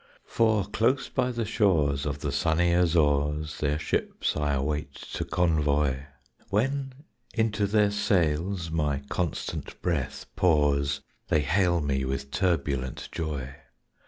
For close by the shores of the sunny Azores Their ships I await to convoy; When into their sails my constant breath pours They hail me with turbulent joy.